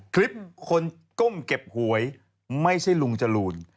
คลิปคนก้มเก็บหวยไม่ใช่ลุงจรูน